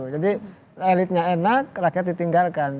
jadi elitnya enak rakyat ditinggalkan